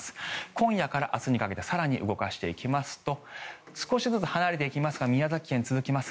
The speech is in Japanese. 今夜から明日にかけて更に動かしていきますと少しずつ離れていきますが宮崎県、続きます。